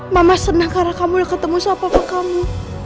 mama senang karena kamu udah ketemu siapa siapa kamu